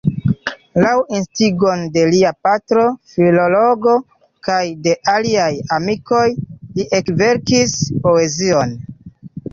Laŭ instigo de lia patro, filologo, kaj de aliaj amikoj, li ekverkis poezion.